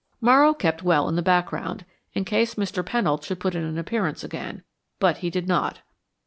Morrow kept well in the background, in case Mr. Pennold should put in an appearance again, but he did not.